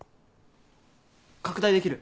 拡大できる？